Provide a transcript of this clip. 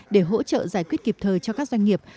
để hỗ trợ giải quyết kịp thời cho các doanh nghiệp